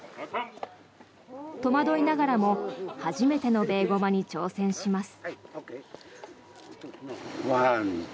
戸惑いながらも初めてのベーゴマに挑戦します。